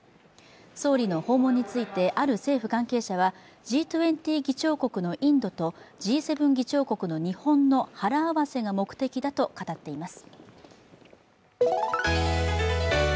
総理の訪問について、ある政府関係者はＧ２０議長国のインドとＧ７議長国の日本の腹合わせが目的だと語っています。